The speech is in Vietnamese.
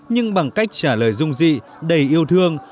nhưng bằng cách trả lời dung dị đầy yêu thương